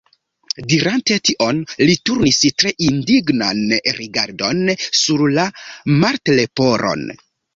Dirante tion li turnis tre indignan rigardon sur la Martleporon.